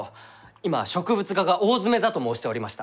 今植物画が大詰めだと申しておりました。